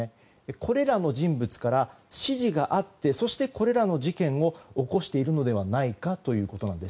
これらの人物から指示があってそして、これらの事件を起こしているのではないかということです。